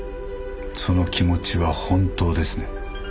その気持ちは本当ですね？